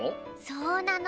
そうなの。